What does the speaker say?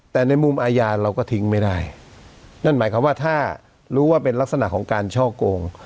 แต่ในมุมอาญาเราก็ทิ้งไม่ได้นั่นหมายความว่าถ้ารู้ว่าเป็นลักษณะของการช่อโกง